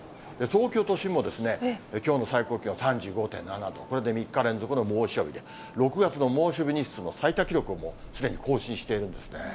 東京都心もきょうの最高気温３５．７度、これで３日連続の猛暑日で、６月の猛暑日日数の最多記録を、もうすでに更新しているんですね。